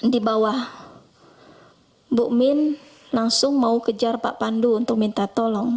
di bawah bu min langsung mau kejar pak pandu untuk minta tolong